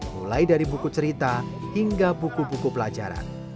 mulai dari buku cerita hingga buku buku pelajaran